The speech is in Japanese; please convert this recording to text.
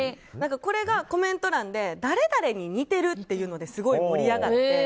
これがコメント欄で誰々に似てるっていうのですごい盛り上がって。